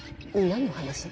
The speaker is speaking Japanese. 何の話？